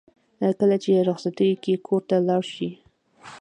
کله چې رخصتیو کې کور ته لاړ شي.